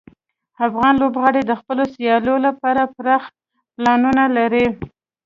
افغان لوبغاړي د خپلو سیالیو لپاره پراخ پلانونه لري.